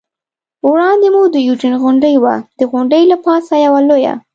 وړاندې مو د یوډین غونډۍ وه، د غونډۍ له پاسه یوه لویه.